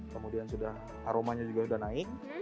kemudian sudah aromanya juga sudah naik